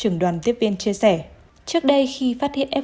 trưởng đoàn tiếp viên chia sẻ trước đây khi phát hiện f